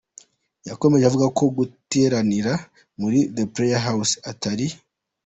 Yakomeje avuga ko guteranira muri The Prayer House atari